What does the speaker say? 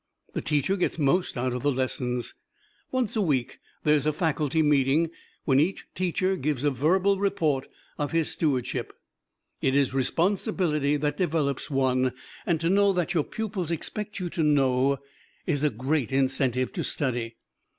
The teacher gets most out of the lessons. Once a week there is a faculty meeting, when each teacher gives in a verbal report of his stewardship. It is responsibility that develops one, and to know that your pupils expect you to know is a great incentive to study.